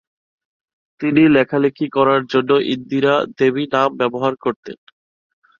তিনি লেখালেখি করার জন্য ইন্দিরা দেবী নাম ব্যবহার করতেন।